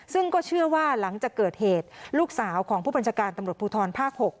ซึ่งก็เชื่อว่าหลังจากเกิดเหตุลูกสาวของผู้บัญชาการตำรวจภูทรภาค๖